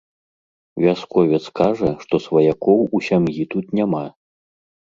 Вясковец кажа, што сваякоў у сям'і тут няма.